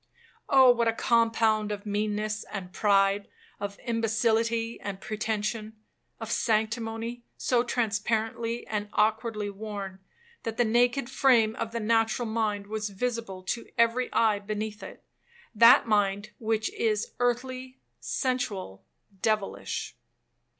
Oh what a compound of meanness and pride, of imbecillity and pretension, of sanctimony so transparently and awkwardly worn, that the naked frame of the natural mind was visible to every eye beneath it,—that mind which is 'earthly, sensual, devilish.'